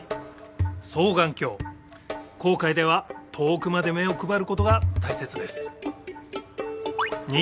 航海では遠くまで目を配ることが大切です